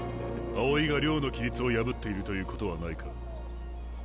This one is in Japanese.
青井が寮の規律を破っているということはないか？